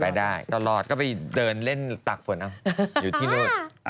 ไปได้ตลอดก็ไปเดินเล่นตากฝนอ้าวอยู่ที่โลศิษฐ์